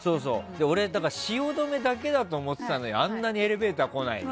俺、汐留だけだと思ってたのあんなにエレベーターが来ないの。